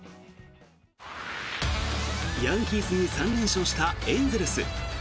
ヤンキースに３連勝したエンゼルス。